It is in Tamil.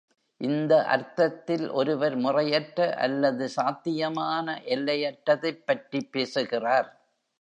இந்த அர்த்தத்தில் ஒருவர் முறையற்ற அல்லது சாத்தியமான எல்லையற்றதைப் பற்றி பேசுகிறார்.